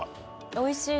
おいしい！